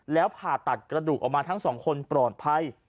แล้วผ่าตัดกระดูกออกมาทั้งสองคนปลอดภัย